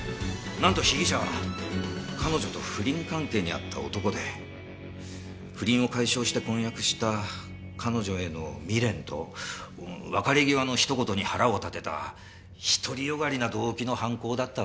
なんと被疑者は彼女と不倫関係にあった男で不倫を解消して婚約した彼女への未練と別れ際のひと言に腹を立てた独り善がりな動機の犯行だったわけ。